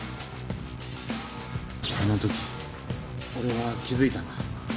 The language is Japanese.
あのとき俺は気付いたんだ。